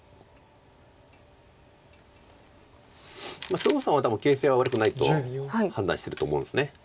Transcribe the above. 張栩さんは多分形勢は悪くないと判断してると思うんです。